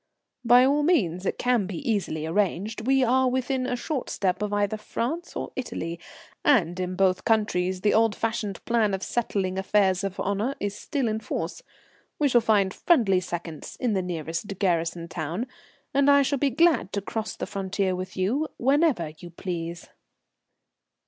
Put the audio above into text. "By all means. It can be easily arranged. We are within a short step of either France or Italy, and in both countries the old fashioned plan of settling affairs of honour is still in force. We shall find friendly seconds in the nearest garrison town, and I shall be glad to cross the frontier with you whenever you please."